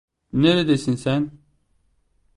Neredesin sen?